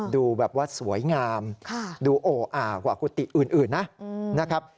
ดูแบบว่าสวยงามดูโออ่ากว่ากุฏิอื่นนะครับ